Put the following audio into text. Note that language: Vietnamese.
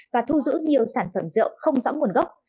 và thu giữ nhiều sản phẩm rượu không rõ nguồn gốc